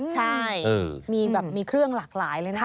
ใช่มีแบบมีเครื่องหลากหลายเลยนะ